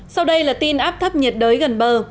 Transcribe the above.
sau đây là tin áp thấp nhiệt đới gần bờ